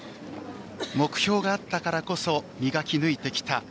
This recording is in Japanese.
目標があったからこそ磨きぬいてきた